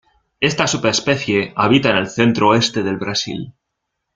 Esta subespecie habita en el centro-este del Brasil.